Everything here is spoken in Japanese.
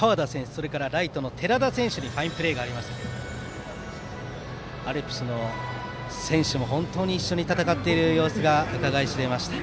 それから寺田選手にファインプレーがありましたがアルプスの選手も本当に一緒に戦っている様子がうかがい知れます。